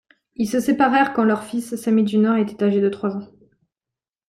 Ils se séparèrent quand leur fils, Sammy Junior, était âgé de trois ans.